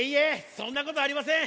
そんなことありません。